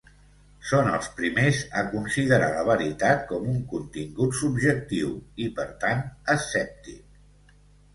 Són els primers a considerar la veritat com un contingut subjectiu i, per tant, escèptic.